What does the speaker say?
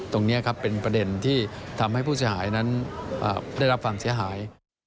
ตรงนี้ครับเป็นประเด็นที่ทำให้ผู้เสียหายนั้นได้รับความเสียหาย